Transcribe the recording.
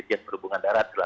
jasa perhubungan darat